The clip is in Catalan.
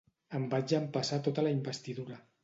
Em vaig empassar tota la investidura.